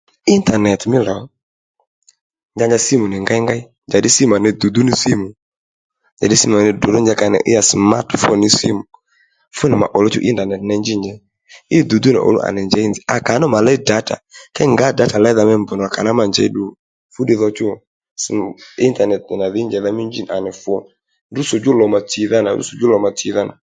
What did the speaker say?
Internet mí lò njanja símù nì ngéyngéy njàddí símù nì ney dùdú ní símù njàddí símù nì dròdró ka nì iy smat phone ní símù fúnì mà òluw chu ney internet nì njí njěy í dùdú ní òluw à nì njěy nzǐ à ka ná ma léy data kě ngǎ data léydha mí mb nì ro à kà ná ma njěy ddu fúddiy dho chǔ internet na njí njèydha mí dhǐ anì fu rútsò djú lò mà tsìdha nà rútsò djú lò mà tsìdha nà